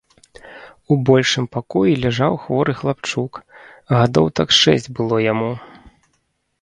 У большым пакоі ляжаў хворы хлапчук, гадоў так шэсць было яму.